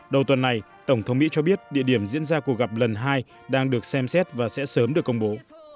đầu tuần này tổng thống mỹ cho biết địa điểm diễn ra cuộc gặp lần hai đang được xem xét và sẽ sớm được công bố